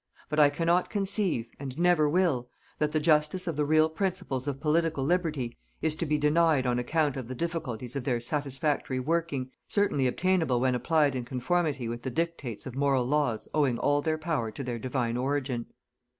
But I cannot conceive and never will that the justice of the real principles of Political Liberty is to be denied on account of the difficulties of their satisfactory working, certainly obtainable when applied in conformity with the dictates of moral laws owing all their power to their Divine origin.